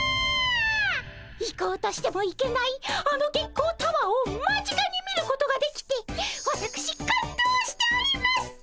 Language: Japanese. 行こうとしても行けないあの月光タワーを間近に見ることができてわたくし感動しております！